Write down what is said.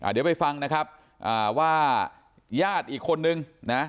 เดี๋ยวไปฟังนะครับว่าญาติอีกคนนึงนะ